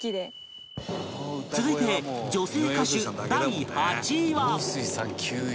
続いて女性歌手第８位は